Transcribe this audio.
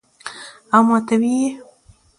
او ماته ئې وې ـ "